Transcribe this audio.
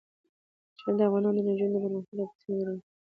ښارونه د افغان نجونو د پرمختګ لپاره فرصتونه برابروي.